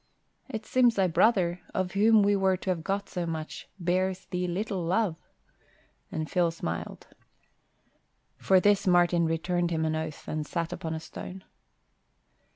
"It seems thy brother, of whom we were to have got so much, bears thee little love." And Phil smiled. For this Martin returned him an oath, and sat upon a stone.